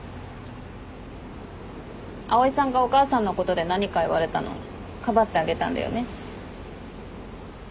蒼井さんがお母さんのことで何か言われたのかばってあげたんだよね。